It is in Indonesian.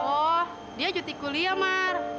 oh dia cuti kuliah mar